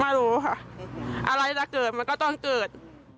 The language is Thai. ไม่รู้ค่ะอะไรจะเกิดมันก็ต้องเกิด